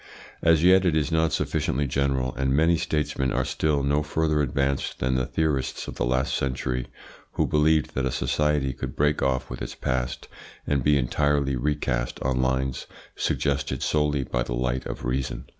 As yet it is not sufficiently general, and many statesmen are still no further advanced than the theorists of the last century, who believed that a society could break off with its past and be entirely recast on lines suggested solely by the light of reason.